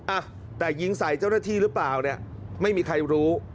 อ่ะแต่ยิงใส่เจ้าหน้าที่หรือเปล่าเนี่ยไม่มีใครรู้